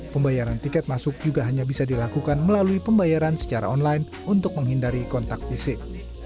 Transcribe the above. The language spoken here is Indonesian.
pembayaran tiket masuk juga hanya bisa dilakukan melalui pembayaran secara online untuk menghindari kontak fisik